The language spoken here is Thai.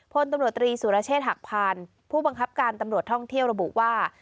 พลตำรวจตรีสุรเชษฐหักพานผู้บังคับการตำรวจท่องเที่ยวระบุว่า